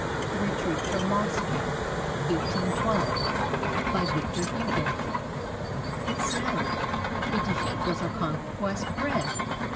THE RETREAT FROM MOSCOW BY VICTOR HUGO It snowed. A defeat was our conquest red!